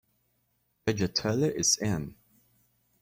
Judge Tully is in.